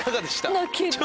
泣ける。